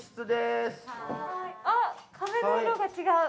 あっ壁の色が違う。